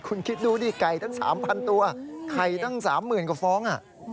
คุณคิดดูดิไก่ตั้ง๓๐๐ตัวไข่ตั้ง๓๐๐๐กว่าฟ้อง